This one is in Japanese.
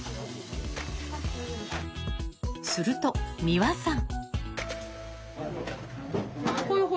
すると三和さん。